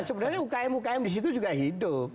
sebenarnya ukm ukm disitu juga hidup